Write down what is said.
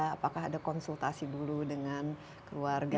apakah ada konsultasi dulu dengan keluarga